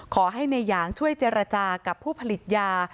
ขอให้นายหยางช่วยเจรจากับผู้ผลิตยา